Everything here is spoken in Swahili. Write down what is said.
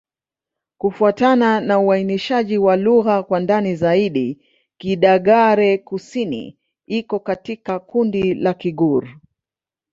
Kufuatana na uainishaji wa lugha kwa ndani zaidi, Kidagaare-Kusini iko katika kundi la Kigur.